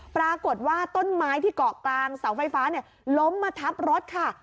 ปรากฏว่าต้นไม้ที่เกาะกลางเสาไฟฟ้าล้มมาทับรถค่ะ